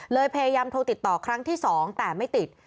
พยายามโทรติดต่อครั้งที่๒แต่ไม่ติด